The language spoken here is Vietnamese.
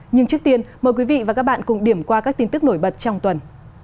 nhưng trước tiên mời quý vị và các bạn cùng điểm qua các tin tức nổi bật trong tuần